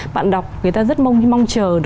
bạn đọc người ta rất mong chờ